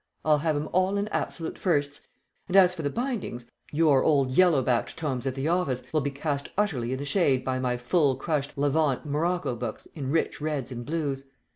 I'll have 'em all in absolute firsts, and as for the bindings, your old yellow backed tomes at the office will be cast utterly in the shade by my full crushed levant morocco books in rich reds and blues.